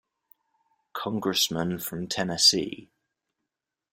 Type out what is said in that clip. Congressman from Tennessee.